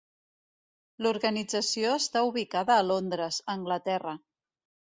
L'organització està ubicada a Londres, Anglaterra.